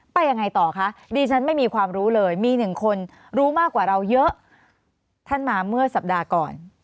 ไปยังไงต่อคะดิฉันไม่มีความรู้เลยมีหนึ่งคนรู้มากกว่าเราเยอะท่านมาเมื่อสัปดาห์ก่อน